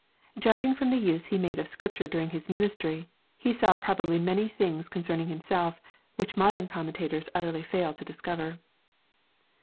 Judging from the use He made of Scripture during His ministry, He saw probably many "things concerning Himself" which modern commentators utterly fail to discover.